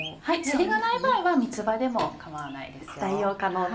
せりがない場合は三つ葉でも構わないですよ。